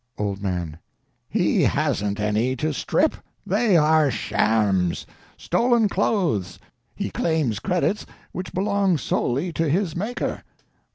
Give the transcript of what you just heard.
Old Man. He hasn't any to strip—they are shams, stolen clothes. He claims credits which belong solely to his Maker.